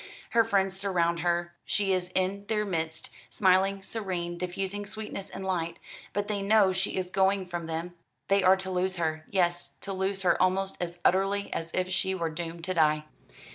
Her friends surround her; she is in their midst, smiling, serene, diffusing sweetness and light; but they know she is going from them they are to lose her, yes, to lose her almost as utterly as if she were doomed to die."